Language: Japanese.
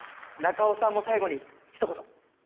中尾さんも最後にひと言。